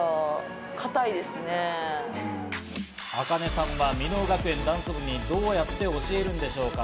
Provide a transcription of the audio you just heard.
ａｋａｎｅさんは箕面学園ダンス部にどうやって教えるんでしょうか。